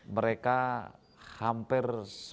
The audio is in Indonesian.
mereka hampir sembilan puluh